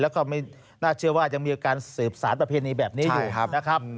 แล้วก็ไม่น่าเชื่อว่ายังมีอาการสืบสารประเพณีแบบนี้อยู่นะครับ